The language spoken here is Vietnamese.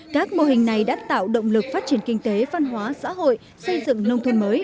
các mô hình này đã tạo động lực phát triển kinh tế văn hóa xã hội xây dựng nông thôn mới